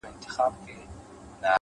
پرمختګ د عادتونو ښه کولو هنر دی’